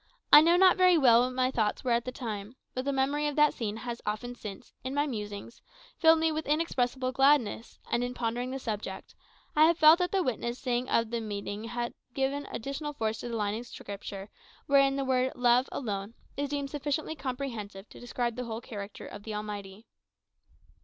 I know not very well what my thoughts were at the time, but the memory of that scene has often since, in my musings, filled me with inexpressible gladness; and in pondering the subject, I have felt that the witnessing of that meeting has given additional force to the line in Scripture wherein the word "love" alone is deemed sufficiently comprehensive to describe the whole character of the Almighty.